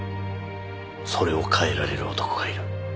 それを変えられる男がいる。